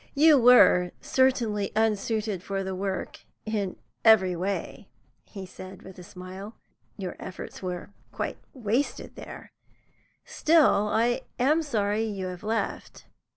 "You were certainly unsuited for the work, in every way," he said, with a smile. "Your efforts were quite wasted there. Still, I am sorry you have left."